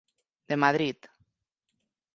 De Madrid.